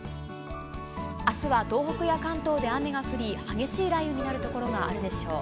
あすは東北や関東で雨が降り、激しい雷雨になる所があるでしょう。